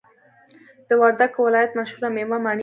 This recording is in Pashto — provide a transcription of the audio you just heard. د وردګو ولایت مشهوره میوه مڼی دی